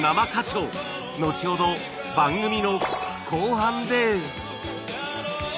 のちほど番組の後半で！